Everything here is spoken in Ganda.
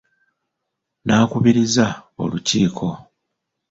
Nnakubirizza olukiiko.